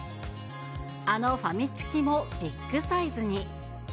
あのファミチキもビッグサイズに。